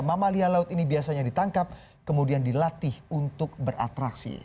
mamalia laut ini biasanya ditangkap kemudian dilatih untuk beratraksi